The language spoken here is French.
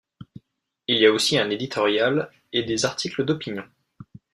Il y a aussi un éditorial et des articles d'opinion.